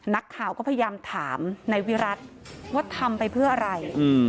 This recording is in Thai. นักข่าวก็พยายามถามนายวิรัติว่าทำไปเพื่ออะไร